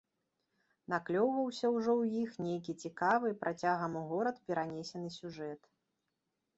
Наклёўваўся ўжо і ў іх нейкі цікавы, працягам у горад перанесены сюжэт.